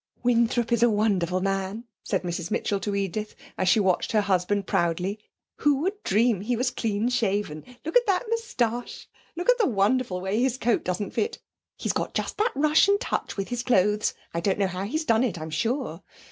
'Winthrop is a wonderful man!' said Mrs Mitchell to Edith, as she watched her husband proudly. 'Who would dream he was clean shaven! Look at that moustache! Look at the wonderful way his coat doesn't fit; he's got just that Russian touch with his clothes; I don't know how he's done it, I'm sure.